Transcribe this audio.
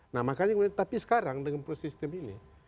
nah makanya tapi sekarang dengan proses sistem ini